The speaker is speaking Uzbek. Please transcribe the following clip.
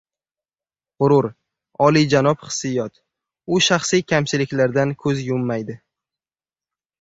G‘urur — olijanob hissiyot — u shaxsiy kamchiliklardan ko‘z yummaydi.